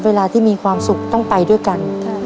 เวลาที่มีความสุขต้องไปด้วยกัน